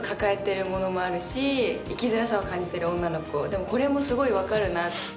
でもこれもすごい分かるなって。